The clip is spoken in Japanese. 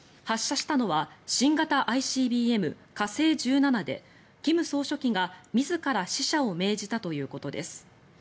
発射したのは新型ＩＣＢＭ、火星１７で金総書記が自ら試射を命じたということです。